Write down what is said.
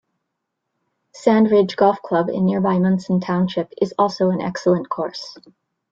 Sand Ridge Golf Club in nearby Munson Township is also an excellent course.